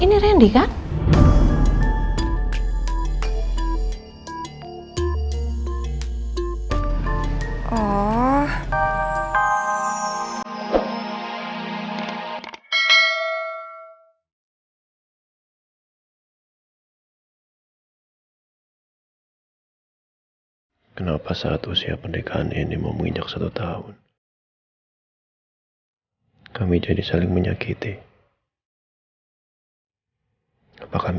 ini ini randy kan